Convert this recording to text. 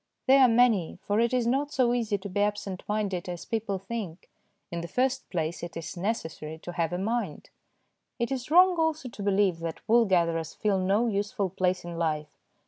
They are many, for it is not so easy to be absent minded as people think ; in the first place, it is necessary to have a mind. It is wrong also to believe that wool gatherers fill no useful place in life.